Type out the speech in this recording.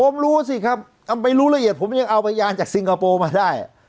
ผมรู้สิครับไปรู้ละเอียดผมยังเอาพยานจากสิงคโปร์มาได้